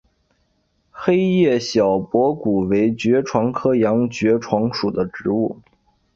黑叶小驳骨为爵床科洋爵床属的植物。